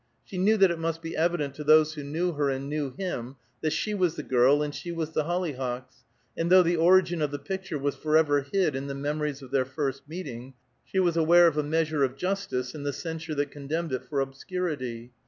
She knew that it must be evident to those who knew her and knew him that she was the girl and she was the hollyhocks, and though the origin of the picture was forever hid in the memories of their first meeting, she was aware of a measure of justice in the censure that condemned it for obscurity.